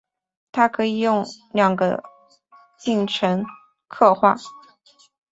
它可以用两个进程刻画。